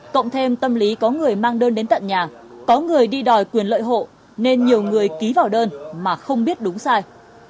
cộng thêm tâm lý có người mang đơn đến tận nhà có người đi đòi quyền lợi hộ nên nhiều người ký vào đơn mà không biết đúng sai